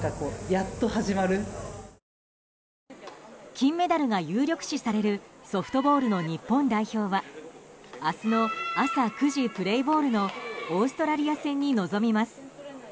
金メダルが有力視されるソフトボールの日本代表は明日の朝９時プレーボールのオーストラリア戦に臨みます。